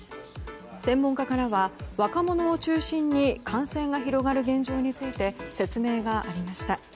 専門家からは若者を中心に感染が広がる現状について説明がありました。